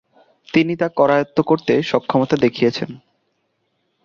তিনি তা করায়ত্ত করতে সক্ষমতা দেখিয়েছেন।